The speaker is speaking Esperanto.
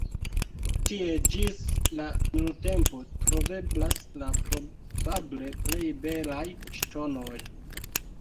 Tie ĝis la nuntempo troveblas la probable plej belaj ŝtonoj.